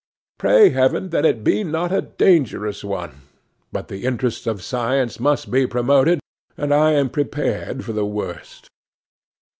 Pray heaven that it be not a dangerous one; but the interests of science must be promoted, and I am prepared for the worst.